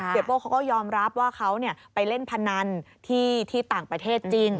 โป้เขาก็ยอมรับว่าเขาไปเล่นพนันที่ต่างประเทศจริง